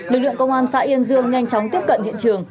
lực lượng công an xã yên dương nhanh chóng tiếp cận hiện trường